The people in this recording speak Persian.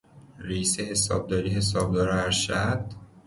رئیس حسابداری، حسابدار ارشد